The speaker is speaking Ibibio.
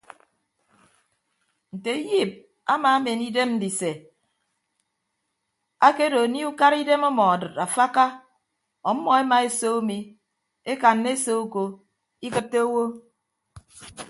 Nte iyiip amaamen idem ndise akedo anie ukaraidem ọmọ ọdʌd afakka ọmmọ emaese umi ekanna ese uko ikịtte owo.